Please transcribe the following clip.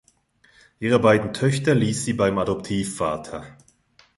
Ihre beiden Töchter ließ sie beim Adoptivvater.